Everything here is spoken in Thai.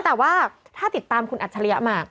แต่ว่าถ้าติดตามคุณอัจฉริยะมา